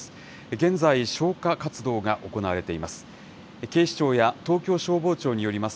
現在、消火活動が行われています。